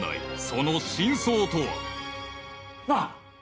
［その真相とは］なあ？